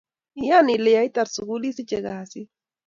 Iyan ile yeitar sukul isiche kasit.